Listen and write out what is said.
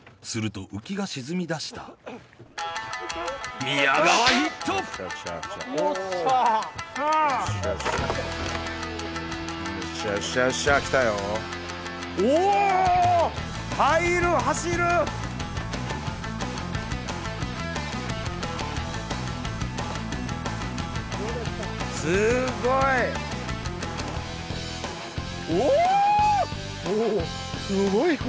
すごい！